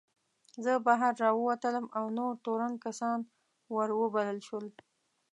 زه بهر راووتلم او نور تورن کسان ور وبلل شول.